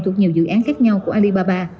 thuộc nhiều dự án khác nhau của alibaba